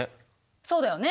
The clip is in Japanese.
そうだよね。